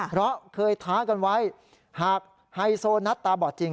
เพราะเคยท้ากันไว้หากไฮโซนัทตาบอดจริง